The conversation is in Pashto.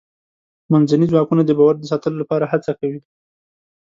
منځني ځواکونه د باور د ساتلو لپاره هڅه کوي.